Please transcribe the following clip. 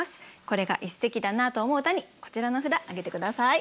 これが一席だなと思う歌にこちらの札挙げて下さい。